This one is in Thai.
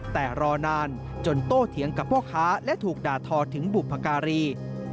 แต่รอนานจนโตเถียงกับพ่อค้าและถูกด่าทอถึงบุพการี